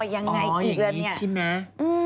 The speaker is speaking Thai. อ๋ออย่างนี้ใช่ไหม